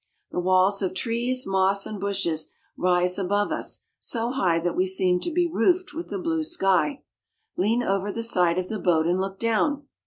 The walls of trees, moss, and bushes rise above us so high that we seem to be roofed with the blue sky. Lean over the side of the boat and look down.